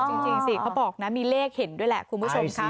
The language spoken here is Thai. จริงสิเขาบอกนะมีเลขเห็นด้วยแหละคุณผู้ชมค่ะ